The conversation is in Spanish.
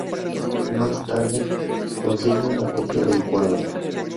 Más tarde, consigue una copia del cuadro.